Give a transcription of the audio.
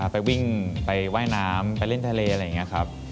ไปวิ่งไปว่ายน้ำไปเล่นทะเลอะไรอย่างนี้ครับ